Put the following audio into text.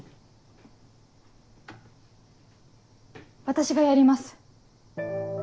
私がやります。